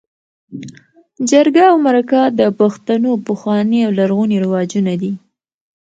جرګه او مرکه د پښتنو پخواني او لرغوني رواجونه دي.